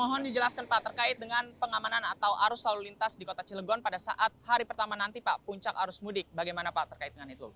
mohon dijelaskan pak terkait dengan pengamanan atau arus lalu lintas di kota cilegon pada saat hari pertama nanti pak puncak arus mudik bagaimana pak terkait dengan itu